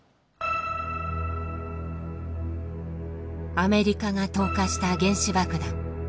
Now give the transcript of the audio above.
アメリカが投下した原子爆弾。